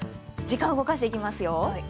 時間を動かしていきますよ。